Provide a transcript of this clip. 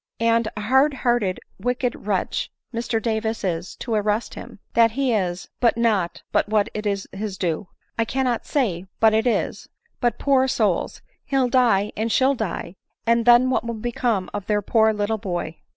And a hard hearted, wicked wretch Mr Davis is, to arrest him — that he is — not but what it is <his due, I cannot say but it is — but, poor souls 1 he'll die, and she'll die,, and then what will become of their poor little boy